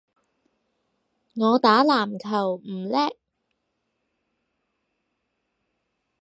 我打籃球唔叻